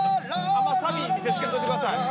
あんまサビ見せつけんといてください。